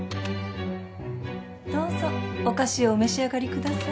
どうぞお菓子をお召し上がりください。